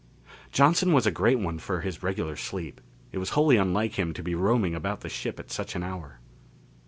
Johnson was a great one for his regular sleep it was wholly unlike him to be roaming about the ship at such an hour.